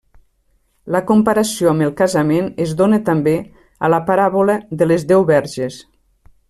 La comparació amb el casament es dóna també a la paràbola de les deu verges.